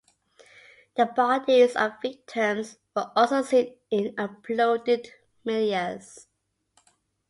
The bodies of victims were also seen in uploaded medias.